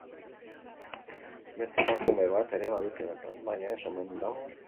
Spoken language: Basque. Beste emakume bat ere badute bertan, baina ez omen dago hain larri.